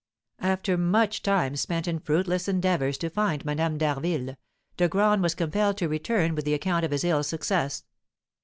After much time spent in fruitless endeavours to find Madame d'Harville, De Graün was compelled to return with the account of his ill success.